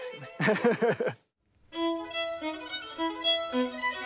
フフフフ。